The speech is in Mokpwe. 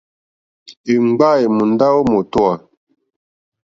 Èmgbâ èmùndá ó mǒtówà.